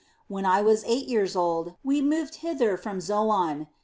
When I was eight years old, we moved hither from Zoan.